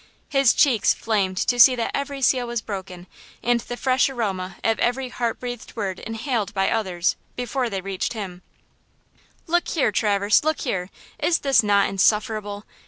His cheek flamed to see that every seal was broken, and the fresh aroma of every heart breathed word inhaled by others, before they reached himself. "Look here, Herbert! look here! Is this not insufferable?